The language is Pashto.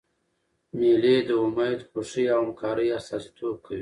مېلې د امېد، خوښۍ او همکارۍ استازیتوب کوي.